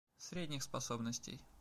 Средних способностей.